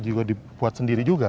gila dibuat sendiri juga